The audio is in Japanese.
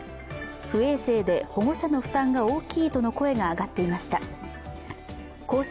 不衛生で保護者の負担が大きいとの声が上がっていました。